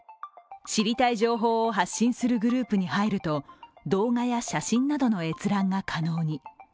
知りたい情報を発信するグループに入ると動画や写真などの閲覧が可能に。